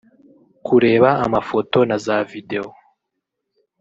kureba amafoto na za videos